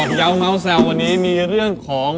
หยอกเย้าเมาเหส่ววันนี้มีเรื่องของ